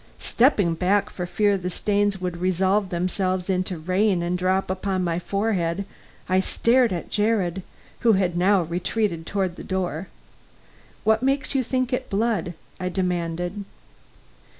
Stepping back for fear the stains would resolve themselves into rain and drop upon my forehead, I stared at Jared, who had now retreated toward the door. "What makes you think it blood?" I demanded.